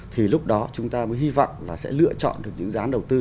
thì lúc đó chúng ta mới hy vọng là sẽ lựa chọn được những dự án đầu tư